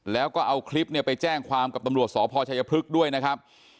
แล้วก็เอาคลิปเนี่ยไปแจ้งความกับตำรวจสพชัยพฤกษ์ด้วยนะครับ